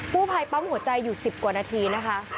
กู้ภัยปั๊มหัวใจอยู่๑๐กว่านาทีนะคะ